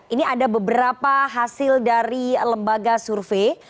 ini ada beberapa hasil dari lembaga survei